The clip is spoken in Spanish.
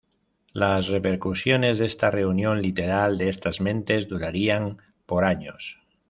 Las repercusiones de esta reunión literal de estas mentes durarían por años.